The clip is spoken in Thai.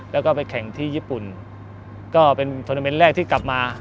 แล้วก็ไปแข่งที่ญี่ปุ่นก็เป็นโทรนาเมนต์แรกที่กลับมา